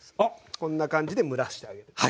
こんな感じで蒸らしてあげる。